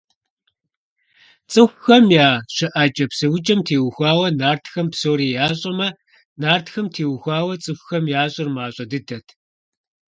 ЦӀыхухэм я щыӀэкӀэ–псэукӀэм теухуауэ нартхэм псори ящӀэмэ, нартхэм теухуауэ цӀыхухэм ящӀэр мащӀэ дыдэт.